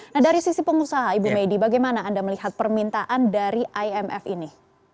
nah dari sisi pengusaha ibu medi bagaimana anda melihat permintaan dari imf ini